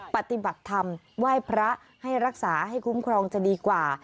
ปฏิบัติธรรมไหว้พระให้รักษาให้คุ้มครองจะดีกว่า